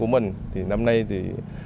của mình thì năm nay thì